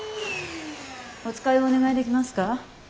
お使いをお願いできますか？